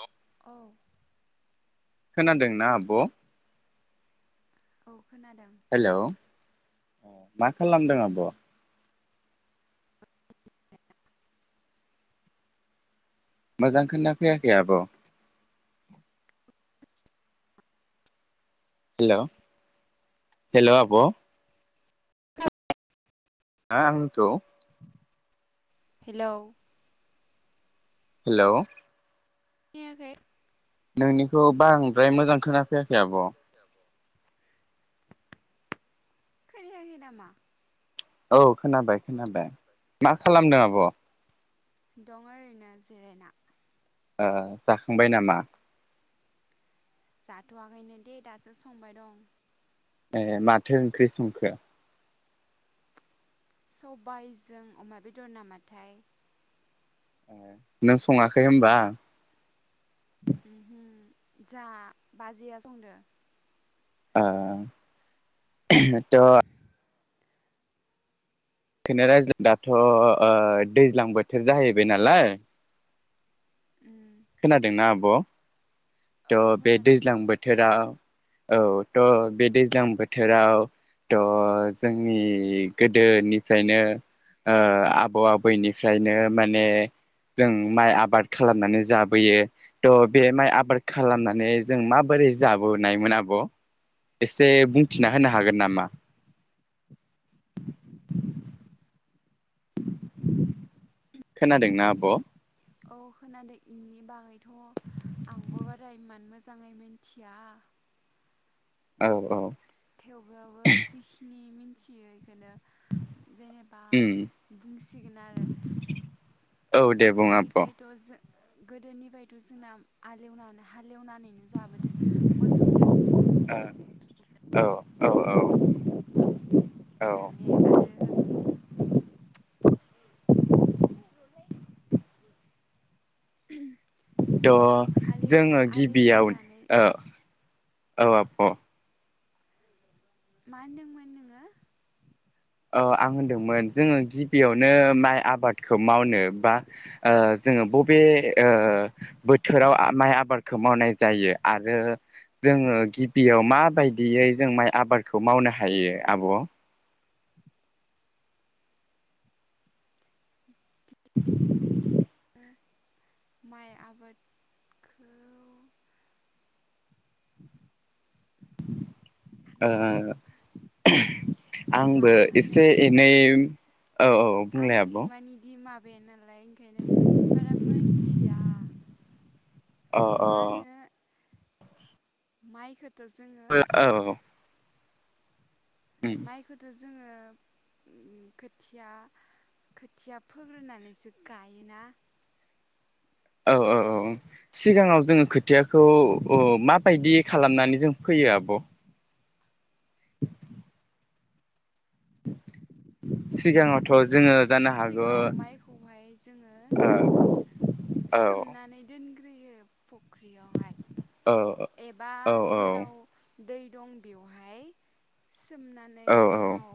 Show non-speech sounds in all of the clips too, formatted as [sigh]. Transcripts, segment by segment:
हेल' औ। खोनादोंना आब'? औ खोनादों। हेलौ मा खालामदों आब'? मोजां खोना फैयाखै आब'? हेलौ हेल' आब'? आंथ' हेलौ? हेल'? खोनायाखै? नोंनिखौ बांद्राय मोजां खोनाफैयाखै आब'? खोनायाखै नामा? औ खोनाबाय-खोनाबाय मा अ खालामदों आब'? दं ओरैनो जिरेना। ओ जाखांबाय नामा? जाथ'वाखैनो दे दासो संबाय दं। ए माथो ओंख्रि संखो? सबायजों अमा बेदर नामाथाय। नों सङाखै होनबा? उमहो जा बाजैया संदो। ओ त' बेखौनो रायज्लाय दाथ' ओ दैज्लां बोथोर जाहैबाय नालाय। उम खोनादोंना आब'? औ थ' बे खोनादों दैज्लां बोथोरा औ थ' बे दैज्लां बोथोराव थ' जोंनि गोदोनिफ्रायनो ओ आबौ आबैनिफ्रायनो माने जों माइ आबाद खालामनानै जा बोयो थ' बे माइ आबाद खालामनानै जों माबोरै जाबोनायमोन आब'? एसे बुंथिना होनो हागोन नामा? खोनादोंना आब'? औ खोनादों इनि बागैथ' आंबो बाराय इमान मोजाङै मिथिया। औ-औ। थेवब्लाबो जिखिनि मिनथियो इखोनो जेने दा उम बुंसिगोन आरो औ दे बुं आब' ओ गोदोनिफाय थ' जों गोदोनिफ्रायथ' जोंना आलेवनानै हालेवनानैनो जाबोदो। मोसौदो। ओ औ। औ-औ। फाननानै आरो [unintelligible] त' आलि जोङो आलि गिबियाव एवनानै औ औ आब' मा होनदोंमोन नोङो? औ आं होनदोंमोन जोङो गिबियावनो माइ आबादखौ मावनो बा ओ जोङो बबे ओ बोथोराव माइ आबादखौ मावनाय जायो आरो जोङो गिबियाव माबायदियै जों माइ आबादखौ मावनो हायो आब'? ओ माइ आबादखौ ओ मा आंबो होनो एसे नै औ-औ-औ। आं इमान इदि माबाया नालाय ओंखायनो बारा मोनथिया। अ अ मा होनो माइखौथ' जोङो औ। उम माइखौथ' जोङो उम खोथिया-खोथिया फोग्रोनानैसो गायोना। औ-औ-औ-औ। सिगाङाव जोङो खोथियाखौ ओ माबायदि खालामनानै जों फोयो आब'? [inaudible] सिगाङावथ' इ जोङो जानो हागौ सिगाङाव माइखौहाय जोङो ओ औ सोमनानै दोनग्रोयो फख्रियावहाय औ एबा औ जेद राव दै दं बेवहाय सोमनानै औ उनाव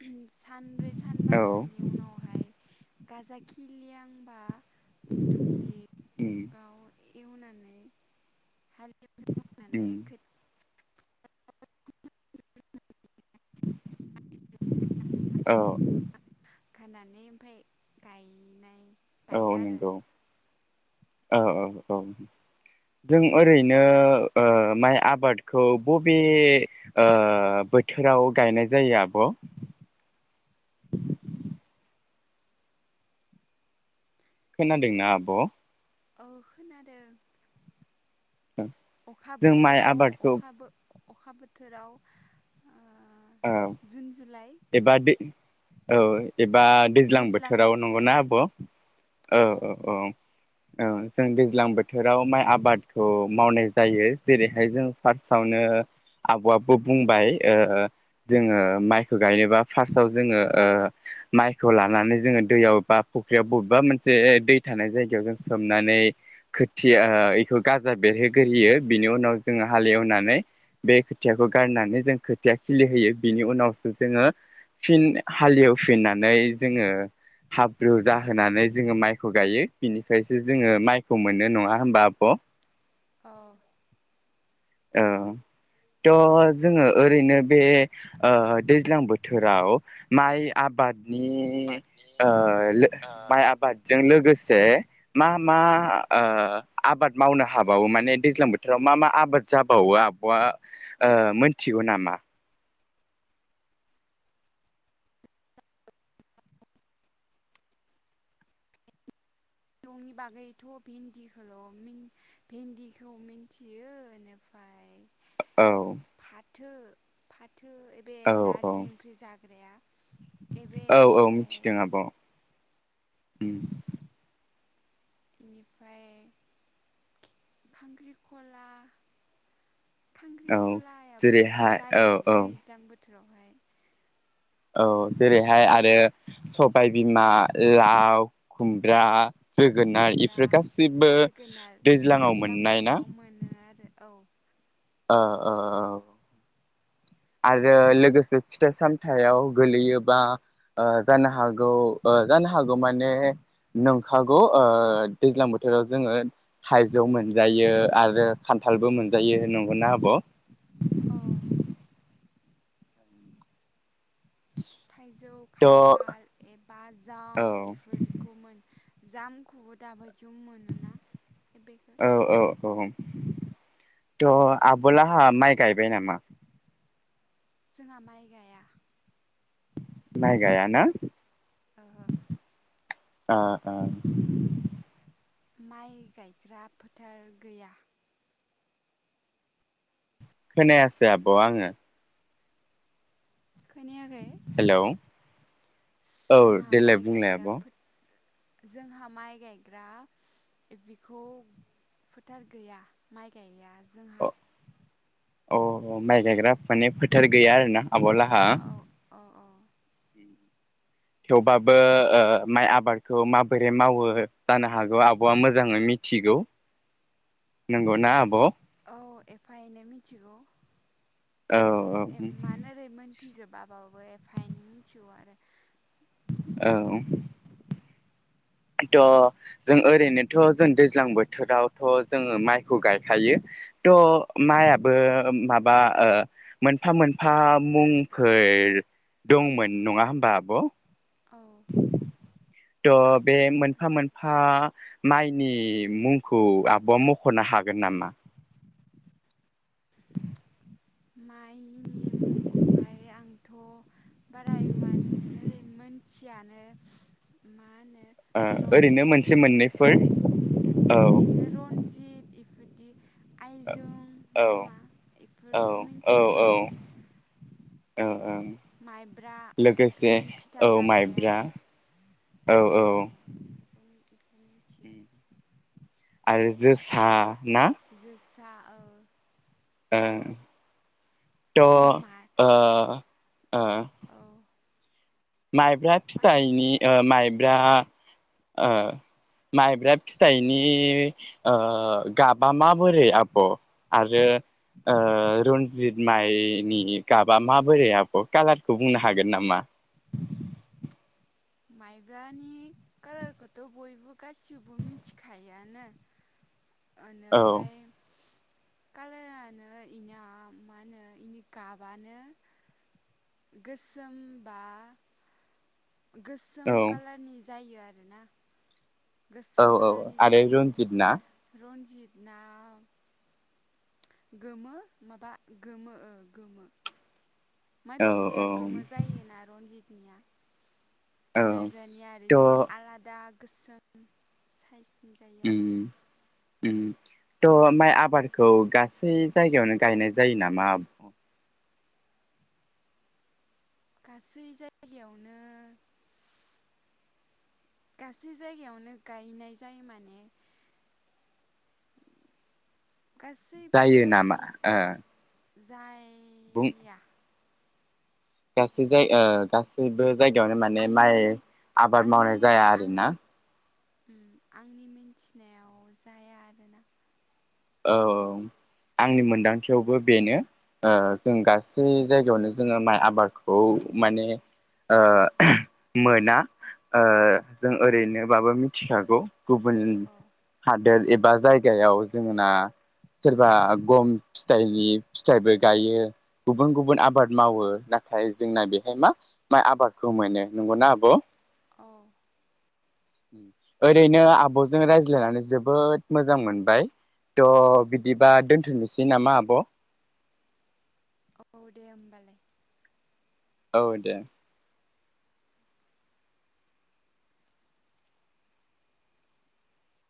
[unintelligible] सानब्रै औ सानबासोनि उनावहाय गाजा खिलिहांबा उम दुब्लिआव एवनानै हाले उम औ [unintelligible] खानानै ओमफाय गायनाय औ गायो आरो नोंगौ औ औ औ जों ओरैनो माइ आबादखौ बबे ओ बोथोराव गायनाय जायो आब'? खोनादोंना आब'? औ खोनादों अखा जों माइ बोथोराव आबादखौ अखा बो अखा बोथोराव ओ औ जुन जुलाइ एबा दै औ एबा दैज्लां बोथोराव नंगौना आब' औ औ औ औ जों दैज्लां बोथोराव माइ आबादखौ मावनाय जायो जेरैहाय जों फार्सआवनो आब'आबो बुंबाय ओ जोङो माइखौ गायनोबा फार्सआव जोङो ओ माइखौ लानानै जोङो दैयाव बा फुख्रियाव बबेबा मोनसे दै थानाय जायगायाव जों सोमनानै खोथिया इखौ गाजा बेरहोग्रोयो बिनि उनाव जोङो हालेवनानै बे खोथियाखौ गारनानै जों खोथिया खिलिहोयो बिनि उनावसो जोङो फिन हालिहेवफिननानै जोङो हाब्रु जाहोनानै जोङो माइखौ गायो बिनिफ्रायसो जोङो माइखौ मोनो नङा होमबा आब'? अ औ त' जोङो ओरैनो बे ओ दैज्लां बोथोराव माइ आबादनि नि ओ लो माइ आबादजों लोगोसे मा मा ओ आबाद मावनो हाबावो माने दैज्लां बोथोराव मा मा आबाद जाबावो आब'आ ओ मोनथिगौ नामा? [unintelligible] बागैथ' भिन्दिखौल' भिन्दिखौ मिन्थियो एनि फाय औ फाथो फाथो ए बे औ औ नारजि ओंख्रि जाग्राया एबे औ औ ओमफ्राय ओम इनिफ्राय खांख्रिखला औ खांख्रिखलायाबो जेरैहाय औ जायो औ दैज्लां बोथोरावहाय औ जेरैहाय आरो सबाय बिमा, लाव, खुमब्रा जोगोनार खुमब्रा इफोर गासिबो जोगोनार दैज्लाङाव दैज्लां मोननाय ना? बोथोराव मोनो आरो औ ओ ओ औ आरो लोगोसे फिथाइ सामथायाव गोलैयोबा ओ जानो हागौ ओ जानो हागौ माने नंखागौ ओ दैज्लां बोथोराव जोङो थाइजौ मोनजायो आरो खान्थालबो मोनजायो नंगौना आब'? औ थाइजौ, थ' औ खान्थाल एबा जाम इफोरखौ मोन जामखौबो दाबायदियाव मोनोना। बेखौ औ औ औ थह आब'लाहा माइ गायबाय नामा? जोंहा माइ गाया माइ गाया ना ओहो ओ ओ माइ गायग्रा फोथार गैया। खोनायासै आब' आङो खोनायाखै हेल' जोंहा माइ बुंलाय गायग्रा आब' फो जोंहा माइ गायग्रा बिखौ फोथार गैया। माइ गायया जोंहा अ माइ गायग्रा माने फोथार गैया आरो ना आब'ला औ अ अ थेवबाबो ओ माइ आबादखौ माबोरै मावो जानो हागौ आब'आ मोजाङै मिथिगौ। नंगौ ना आब' औ एफा एनै मिथिगौ औ एमान ओरै मोन थिजोबाबाबो एफा एनै मिथिगौ आरो औ थ' जों ओरैनोथ' जों दैज्लां बोथोरावथ' जोङो माइखौ गायखायो। थ' औ माइयाबो मा बा ओ मोनफा मोनफा मुंखैयै दंमोन नङा होमबा आब' [inaudible] थ' बे मोनफा मोनफा माइनि मुंखौ आब'आ मख'नो हागोन नामा? माइनि मुंखौहाय आंथ' बारा इमान ओरै मोन थियानो मा होनो ओ ओरैनो मोनसे रन्जित मोननैफोर औ ओरैनो रनजित इफोरदि आइजोम औ नामा एफोरखौ मिथिगौ आरो ओ ओं माइब्रा लोगोसे जों फिथा औ जाग्राया माइब्रा औ औ औ बेफोरखौ बेखौ मिथियो आरो जोसा ना? जोसा ओ ओं त' ओ मा ओ औ माइब्रा फिथाइनि ओ माइब्रा ओ माइब्रा फिथाइनि ओ गाबा माबोरै आब'? आरो ओ रन्जित माइनि गाबा माबोरै आब' कालारखौ बुंनो हागोन नामा? माइब्रानि कालारखौथ' बयबो गासिबो मिथिखायोआनो [inaudible] ओनिफ्राय कालारानो इना मा होनो इनि गाबानो गोसोम बा गोसोम औ कालारनि जायो आरोना? औ गोसोम औ कालारनि आरो जायो रन्जित ना रन्जित ना गोमो माबा गोमो ओ गोमो। माइ औ फिथाइया औ गोमो जायोना रनजितनिया? औ माइब्रानिया आरो थ' इसे आलादा गोसोम साइसनि जायो आर' त माइ आबादखौ गासै जायगायावनो गायनाय जायो नामा आब गासै जायगायावनो गासै जायगायावनो गायनाय जायो माने [inaudible] जायो गासैबो नामा ओ इफे बुं जाया। गासै जाय ओ गासैबो जायगायावनो माने माइ आंनि आबाद आंनि मावनाय जाया आंनि आरोना? उम आंनि मिन्थिनायाव जाया आरोना? औ आंनि मोनदांथियावबो बेनो ओ जों गास सै जायगायावनो जोङो माइ आबादखौ माने ओ मोना ओ जों ओरैनोबाबो मिथिखागौ। गुबुन औ हादोर एबा जायगायाव जोंना सोरबा गम फिथाइनि फिथाइबो गायो। गुबुन गुबुन आबाद मावो नाथाय जोंना बेहाय मा? माइ आबादखौ मोनो नंगौना आब'? अ ओरैनो आब'जों रायज्लायनानै जोबोद मोजां मोनबाय थ' उम बिदिब दा दोन्थ'नोसै नामा आब'? औ दे होमबालाय औ दे।